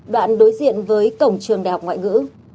đoạn đối diện với cổng trường đại học ngoại ngữ